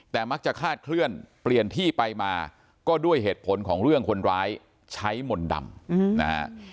แต่มักจะคาดเคลื่อนเปลี่ยนที่ไปมาก็ด้วยเหตุผลของเรื่องคนร้ายใช้มนต์ดำนะฮะ